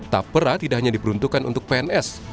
tapera tidak hanya diperuntukkan untuk pns